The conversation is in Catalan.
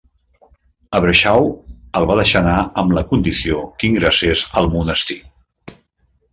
Abbershaw el va deixar anar amb la condició que ingressés al monestir.